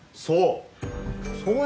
そう！